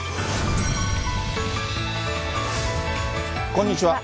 こんにちは。